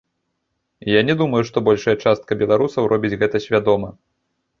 Я не думаю, што большая частка беларусаў робіць гэта свядома.